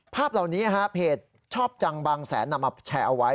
ภาพเหล่านี้เพจชอบจังบางแสนนำมาแชร์เอาไว้